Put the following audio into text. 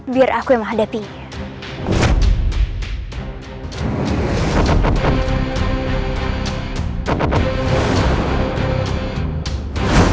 biar aku yang menghadapinya